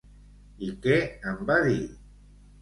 I què en va dir?